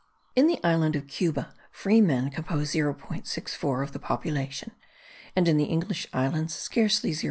In the island of Cuba free men compose 0.64 of the whole population; and in the English islands, scarcely 0.19.